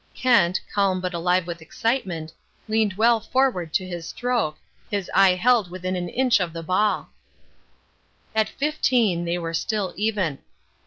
Kent, calm but alive with excitement, leaned well forward to his stroke, his eye held within an inch of the ball. At fifteen they were still even.